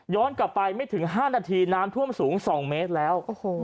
กลับไปไม่ถึง๕นาทีน้ำท่วมสูง๒เมตรแล้ว